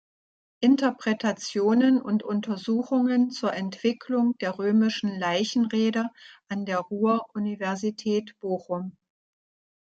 Interpretationen und Untersuchungen zur Entwicklung der römischen Leichenrede" an der Ruhr-Universität Bochum.